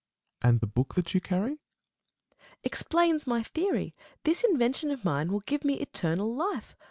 And the book that you carry ? Nat. Phil. Explains my theory. This invention of mine will give me eternal life.